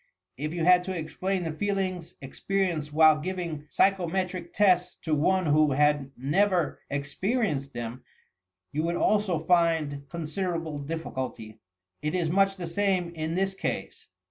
If you had to explain the feelings experienced while giving psychometric tests to one who had never experienced them, you would also find con siderable difficulty. It is much the same in this case.